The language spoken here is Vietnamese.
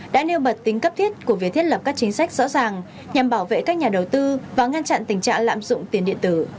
đã nêu bật tính cấp thiết của việc thiết lập các chính sách rõ ràng nhằm bảo vệ các nhà đầu tư và ngăn chặn tình trạng lạm dụng tiền điện tử